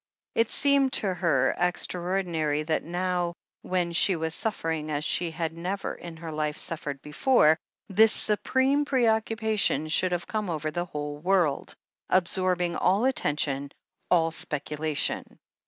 It seemed to her extraordinary that now, when she was suffering as she had never in her life suffered be fore, this supreme preoccupation should have come over the whole world, absorbing all attention, all specula tion.